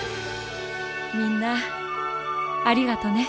みんなありがとね。